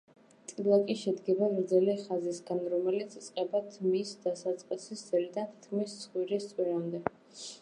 ტილაკი შედგება გრძელი ხაზისგან, რომელიც იწყება თმის დასაწყისის ძირიდან თითქმის ცხვირის წვერამდე.